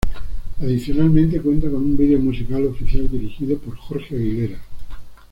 Adicionalmente, cuenta con un video musical oficial dirigido por Jorge Aguilera.